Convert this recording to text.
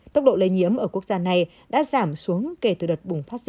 tốc độ lây nhiễm ở quốc gia này đã giảm xuống kể từ đợt bùng phát dịch